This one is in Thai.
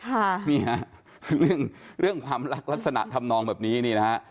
ถ้าเพิ่งเรื่องความรักลักษณะทำนองแบบนี้นะฮะ